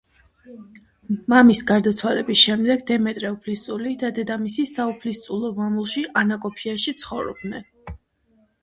მამის გარდაცვალების შემდეგ დემეტრე უფლისწული და დედამისი საუფლისწულო მამულში ანაკოფიაში ცხოვრობდნენ.